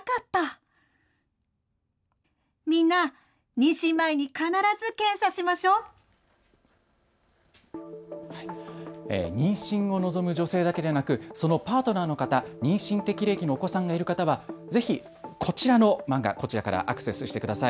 妊娠を望む女性だけでなくそのパートナーの方、妊娠適齢期のお子さんがいる方はぜひこちらの漫画、こちらからアクセスしてください。